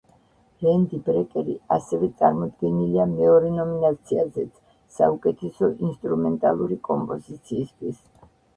რენდი ბრეკერი ასევე წარდგენილია მეორე ნომინაციაზეც, საუკეთესო ინსტრუმენტალური კომპოზიციისთვის.